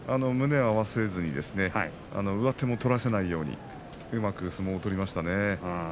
胸を合わせずに上手も取らせないようにうまく相撲を取りましたね。